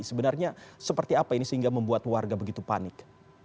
sebenarnya seperti apa ini sehingga membuat warga begitu panik